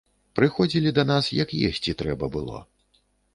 Прыходзілі да нас, як есці трэба было.